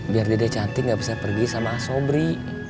biar dede cantik gak bisa pergi sama asobri